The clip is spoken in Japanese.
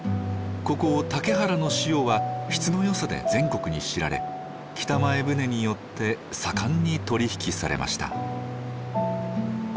ここ竹原の塩は質の良さで全国に知られ北前船によって盛んに取り引きされました。